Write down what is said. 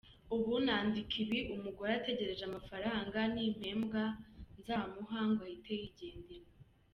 Ubu nandika ibi umugore ategereje amafaranga nimpembwa nzamuha ngo ahite yigendera.